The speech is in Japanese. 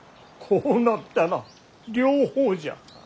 こうなったら両方じゃ。